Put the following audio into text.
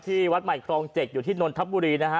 ที่วัดใหม่คลองเจ็กอยู่ที่นนทัพบุรีนะคะ